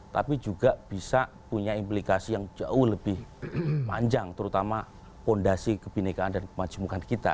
tapi juga bisa punya implikasi yang jauh lebih panjang terutama fondasi kebinekaan dan kemajemukan kita